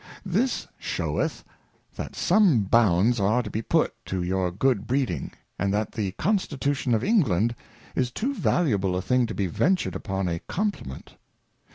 This sheweth, that some Bounds are to be put to your good Breeding, and that tfae Genstitution of England is too valuable a thinsr to be ventured upon a Compliment.